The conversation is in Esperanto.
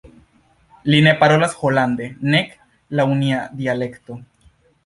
Li ne parolas holande, nek laŭ nia dialekto.